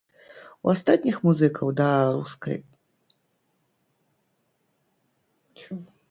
У астатніх музыкаў да раскай мовы ў асноўным дадаецца яшчэ і англійская.